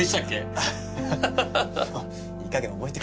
アハハハ。